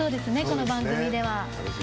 この番組では。